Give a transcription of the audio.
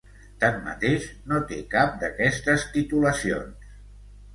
Tanmateix, no té cap d’aquestes titulacions.